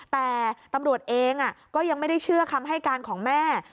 แต่ตำรวจเองก็ยังไม่ได้เชื่อคำให้การของแม่